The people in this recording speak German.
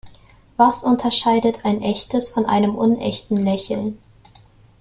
Was unterscheidet ein echtes von einem unechten Lächeln?